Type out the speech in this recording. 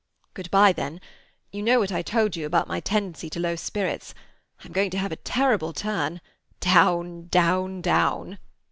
"Good bye, then. You know what I told you about my tendency to low spirits. I'm going to have a terrible turn—down, down, down!"